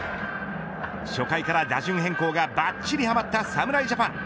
初回から打順変更がばっちりはまった侍ジャパン。